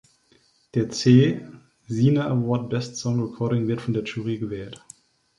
Der Zee Cine Award Best Song Recording wird von der Jury gewählt.